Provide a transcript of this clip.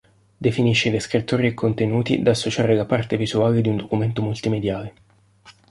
Definisce i descrittori e contenuti da associare alla parte visuale di un documento multimediale.